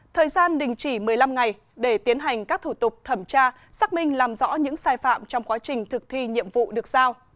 thời gian đình chỉ một mươi năm ngày để tiến hành các thủ tục thẩm tra xác minh làm rõ những sai phạm trong quá trình thực thi nhiệm vụ được giao